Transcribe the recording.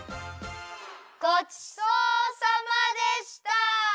ごちそうさまでした！